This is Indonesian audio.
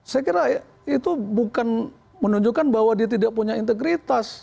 saya kira itu bukan menunjukkan bahwa dia tidak punya integritas